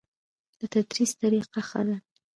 د تدریس طریقه ښه ده؟